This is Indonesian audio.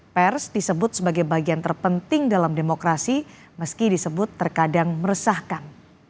pers disebut sebagai bagian terpenting dalam demokrasi meski disebut terkadang meresahkan